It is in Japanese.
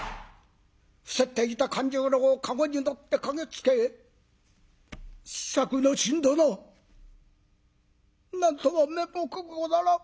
伏せっていた勘十郎かごに乗って駆けつけ「作之進殿なんとも面目ござらん。